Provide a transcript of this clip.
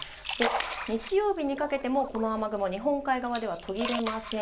日曜日にかけても、この雨雲日本海側では途切れません。